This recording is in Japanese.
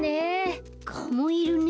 ガもいるね。